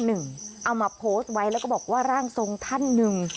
เอามาโพสต์ไว้แล้วก็บอกว่าร่างทรงท่านหนึ่ง